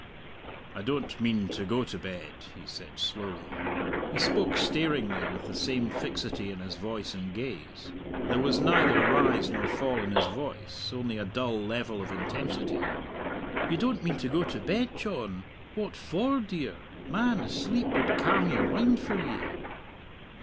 "I don't mean to go to bed," he said slowly. He spoke staringly, with the same fixity in his voice and gaze. There was neither rise nor fall in his voice, only a dull level of intensity. "You don't mean to go to bed, John! What for, dear? Man, a sleep would calm your mind for ye."